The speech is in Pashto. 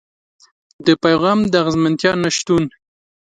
د پيغام د اغېزمنتيا نشتون.